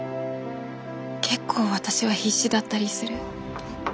結構私は必死だったりする。